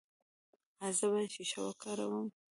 ایا زه باید شیشه وکاروم؟